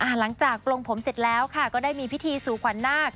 หลังจากตรงโปรงเสร็จแล้วก็ได้มีพิธีสูขวานนาค